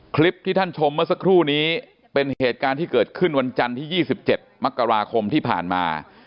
คลิปที่ท่านชมเมื่อสักครู่นี้เป็นเหตุการณ์ที่เกิดขึ้นวันจันทร์ที่๒๗มกราคมที่ผ่านมา